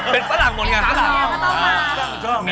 เป็นฝรั่งหมดกันครับ